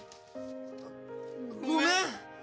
ごめん。